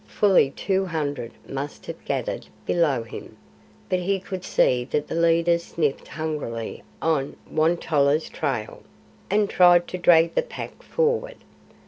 Fully two hundred must have gathered below him, but he could see that the leaders sniffed hungrily on Won tolla's trail, and tried to drag the Pack forward.